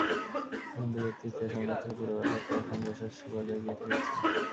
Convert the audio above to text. কিন্তু ব্যক্তিত্বের সংঘাত থেকে পুরো ব্যাপারটা এখন রেষারেষির পর্যায়ে গিয়ে ঠেকেছে।